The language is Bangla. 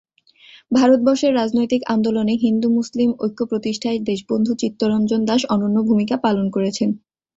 ভারতবর্ষের রাজনৈতিক আন্দোলনে হিন্দু-মুসলিম ঐক্য প্রতিষ্ঠায় দেশবন্ধু চিত্তরঞ্জন দাস অনন্য ভূমিকা পালন করেছেন।